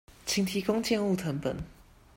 請提供建物謄本